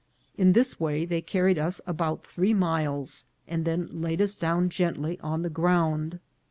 In this way they carried us about three miles, and then laid us down gently on the ground.